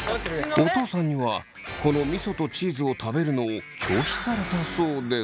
お父さんにはこのみそとチーズを食べるのを拒否されたそうです。